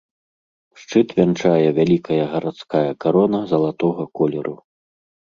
Шчыт вянчае вялікая гарадская карона залатога колеру.